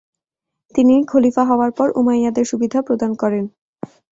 তিনি খলিফা হওয়ার পর উমাইয়াদের সুবিধা প্রদান করেন।